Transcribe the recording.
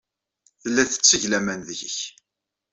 Tella tetteg laman deg-k.